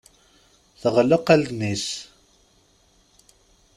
Tɣelleq allen-is.